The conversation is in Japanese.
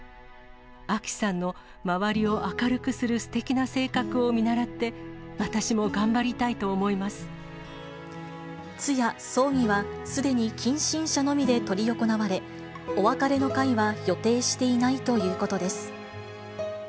あきさんの周りを明るくするすてきな性格を見習って、私も頑張り通夜、葬儀はすでに近親者のみで執り行われ、お別れの会は予定していないということです。